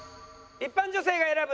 一般女性が選ぶ